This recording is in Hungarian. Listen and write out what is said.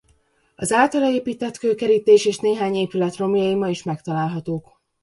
Az általa épített kőkerítés és néhány épület romjai ma is megtalálhatók.